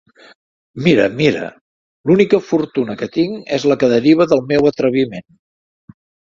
Mira, mira: «L'única fortuna que tinc és la que deriva del meu atreviment.